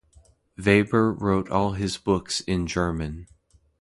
Weber wrote all his books in German.